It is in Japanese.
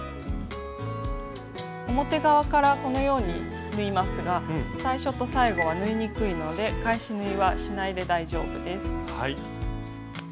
表側からこのように縫いますが最初と最後は縫いにくいので返し縫いはしないで大丈夫です。